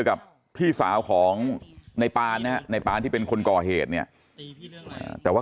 กับพี่สาวของในปานนะฮะในปานที่เป็นคนก่อเหตุเนี่ยแต่ว่า